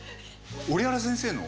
折原先生の？